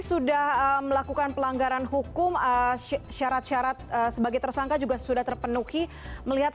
sudah melakukan pelanggaran hukum syarat syarat sebagai tersangka juga sudah terpenuhi melihat